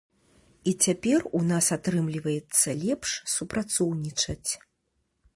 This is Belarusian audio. І цяпер у нас атрымліваецца лепш супрацоўнічаць.